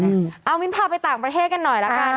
เอาวินพิพาย์ถูกมาอกไปต่างประเทศกันหน่อยแล้ว